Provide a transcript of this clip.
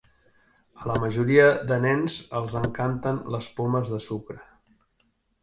A la majoria de nens els encanten les pomes de sucre